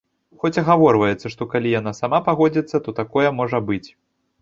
Хоць агаворваецца, што калі яна сама пагодзіцца, то такое можа быць.